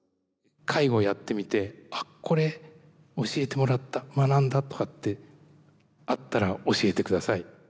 介護をやってみて「あっこれ教えてもらった学んだ」とかってあったら教えてください。